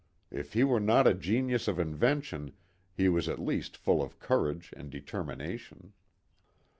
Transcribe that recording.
If he were not a genius of invention, he was at least full of courage and determination.